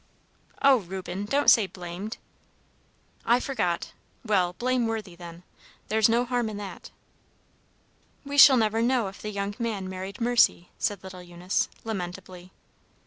"Oh, Reuben! don't say 'blamed.'" "I forgot. Well, blame worthy, then. There's no harm in that." "We shall never know if the young man married Mercy," said little Eunice, lamentably.